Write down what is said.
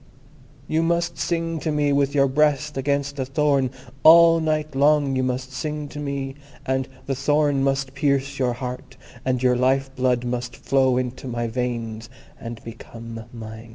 You must sing to me with your breast against a thorn. All night long you must sing to me, and the thorn must pierce your heart, and your life blood must flow into my veins, and become mine."